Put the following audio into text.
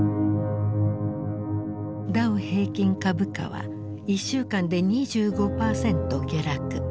ダウ平均株価は１週間で２５％下落。